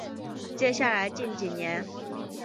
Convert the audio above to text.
接下来近几年